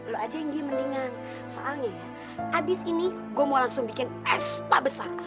lu aja yang dia mendingan soalnya ya abis ini gue mau langsung bikin es tak besar